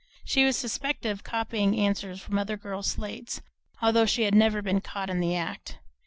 She was suspected of copying answers from other girls' slates, although she had never been caught in the act.